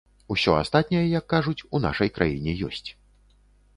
Усё астатняе, як кажуць, у нашай краіне ёсць.